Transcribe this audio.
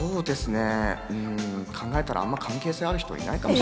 考えたらあんまり関係性ある人いないかも。